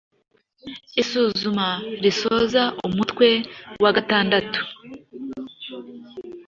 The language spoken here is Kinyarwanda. Isuzuma risoza umutwe wa gatandatu